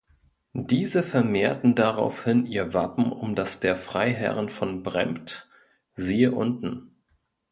Diese vermehrten daraufhin ihr Wappen um das der Freiherren von Brempt (siehe unten).